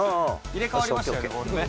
入れ代わりましたよ。